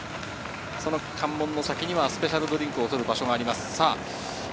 その関門の先にはスペシャルドリンクを取る場所があります。